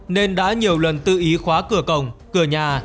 nên đã nhiều lần tự ý khóa cửa cổng cửa nhà